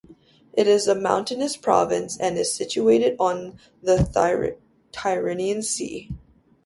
It is a mountainous province and is situated on the Tyrrhenian Sea.